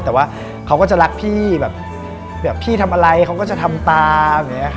แต่ว่าเขาก็จะรักพี่แบบพี่ทำอะไรเขาก็จะทำตาม